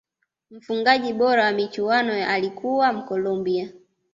mfungaji bora wa michuano ya alikuwa mkolombia